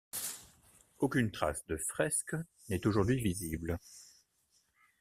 Aucune trace de fresques n'est aujourd'hui visible.